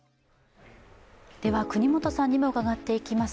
では國本さんにも伺っていきます